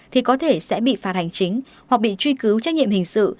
thì có thể sẽ bị phạt hành chính hoặc bị truy cứu trách nhiệm hình sự